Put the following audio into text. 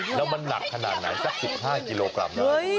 แล้วมันหนักขนาดไหนสัก๑๕กิโลกรัมได้